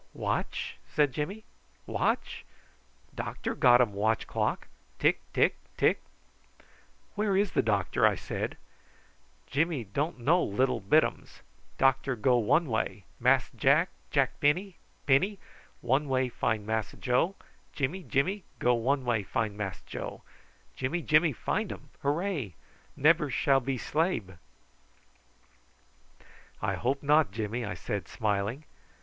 "Watch?" said Jimmy; "watch? Doctor got um watch clock. Tick, tick, tick!" "Where is the doctor?" I said. "Jimmy don't know little bitums. Doctor go one way. Mass Jack Jack Penny Penny, one way find Mass Joe. Jimmy Jimmy, go one way find Mass Joe. Jimmy Jimmy find um. Hooray! Nebber shall be slabe!" "I hope not, Jimmy," I said, smiling.